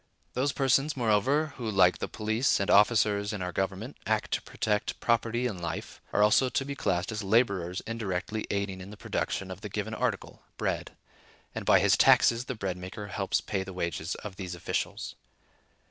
Those persons, moreover, who, like the police and officers of our government, act to protect property and life, are also to be classed as laborers indirectly aiding in the production of the given article, bread (and by his taxes the bread maker helps pay the wages of these officials).